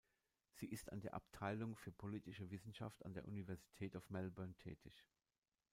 Sie ist an der Abteilung für politische Wissenschaft an der University of Melbourne tätig.